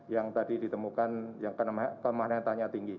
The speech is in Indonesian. yang tadi ditemukan yang kelemahannya tanya tinggi